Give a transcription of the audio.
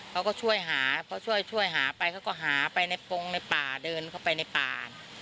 เขาก็ช่วยหาพอช่วยช่วยหาไปเขาก็หาไปในปงในป่าเดินเข้าไปในป่า